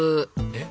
えっ？